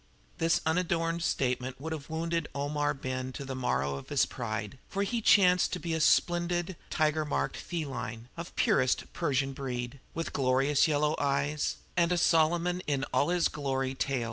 This unadorned statement would have wounded Omar Ben to the marrow of his pride, for he chanced to be a splendid tiger marked feline of purest Persian breed, with glorious yellow eyes and a Solomon in all his glory tail.